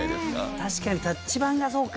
確かにタッチ板がそうか。